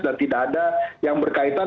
dan tidak ada yang berkaitan